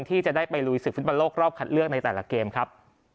ที่จะได้ไปลุยศึกฟุตบอลโลกรอบคัดเลือกในแต่ละเกมครับ